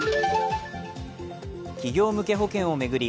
企業向け保険を巡り